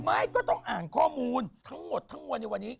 ไม่ต้องอ่านข้อมูลทั้งหมดทั้งมวลในวันนี้